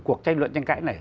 cuộc tranh luận tranh cãi này